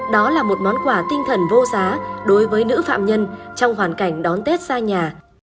đó là một món quà tinh thần vô giá đối với nữ phạm nhân trong hoàn cảnh đón tết xa nhà